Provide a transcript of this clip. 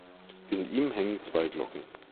In ihm hängen zwei Glocken.